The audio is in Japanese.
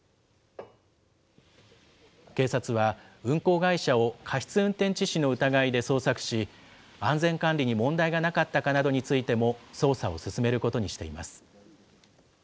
警察は、運行会社を過失運転致死の疑いで捜索し、安全管理に問題がなかったかなどについても捜査を進めることにしています。